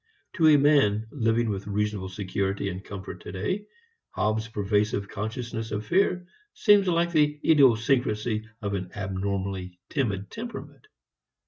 To a man living with reasonable security and comfort today, Hobbes' pervasive consciousness of fear seems like the idiosyncrasy of an abnormally timid temperament.